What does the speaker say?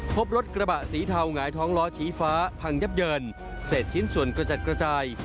พบรถกระบะสีเทาหงายท้องล้อชี้ฟ้าพังยับเยินเศษชิ้นส่วนกระจัดกระจาย